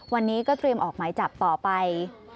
วันนี้ก็เตรียมออกหมายจับต่อไป